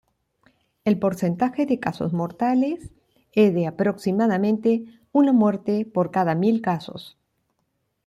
El porcentaje de casos mortales es de aproximadamente una muerte por cada mil casos.